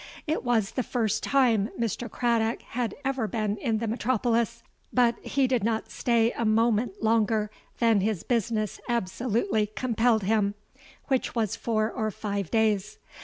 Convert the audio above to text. "It was the first time Mr. Craddock had ever been in the metropolis: but he did not stay a moment longer than his business absolutely compelled him, which was four or five days.